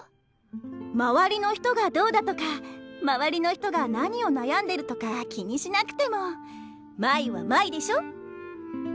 周りの人がどうだとか周りの人が何を悩んでるとか気にしなくても舞は舞でしょ？